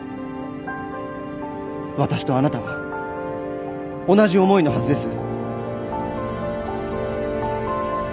私とあなたは同じ思いのはずです